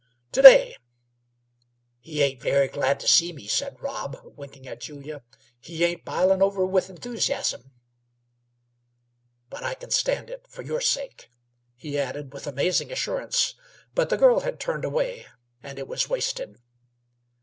"To day. He ain't very glad to see me," said Rob, winking at Julia. "He ain't b'ilin' over with enthusiasm; but I c'n stand it, for your sake," he added, with amazing assurance; but the girl had turned away, and it was wasted.